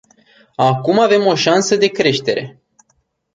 Acum avem o șansă de creștere.